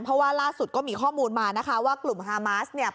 เพราะว่าล่าสุดก็มีข้อมูลมานะคะว่ากลุ่มฮามาสเนี่ย